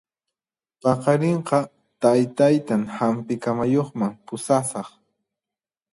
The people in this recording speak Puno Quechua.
Paqarinqa taytaytan hampi kamayuqman pusasaq